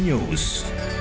saya budi adiputro